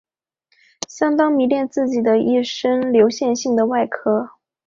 相当迷恋自己的一身的流线型的外壳。